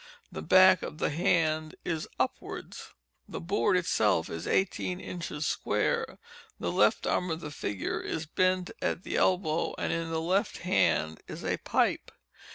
The back of the hand is upwards. The board itself is eighteen inches square. The left arm of the figure is bent at the elbow, and in the left hand is a pipe.